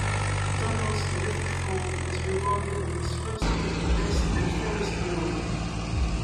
Donald's terrific form was rewarded with his first club Best and Fairest award.